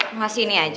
mau ngasih ini aja